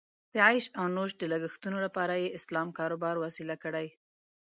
د عیش او نوش د لګښتونو لپاره یې اسلام کاروبار وسیله کړې.